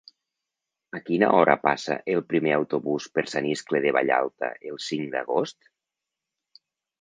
A quina hora passa el primer autobús per Sant Iscle de Vallalta el cinc d'agost?